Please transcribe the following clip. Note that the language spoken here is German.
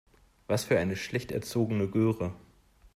Was für eine schlecht erzogene Göre.